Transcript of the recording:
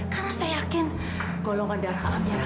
karena saya yakin golongan darah merah